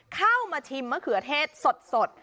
เข้ามาชิมมะเขือเทศสด